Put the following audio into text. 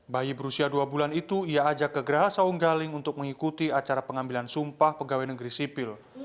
bayi berusia dua bulan itu ia ajak ke geraha saunggaling untuk mengikuti acara pengambilan sumpah pegawai negeri sipil